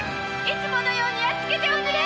いつものようにやっつけておくれ！